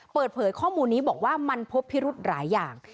เปิดเผยข้อมูลนี้บอกว่ามันพบพิรุธหลายอย่าง